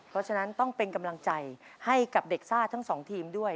เพราะฉะนั้นต้องเป็นกำลังใจให้กับเด็กซ่าทั้งสองทีมด้วย